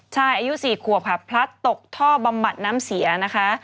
อายุ๔ขวบค่ะพลัดตกท่อบำบัดน้ำเสียนะคะ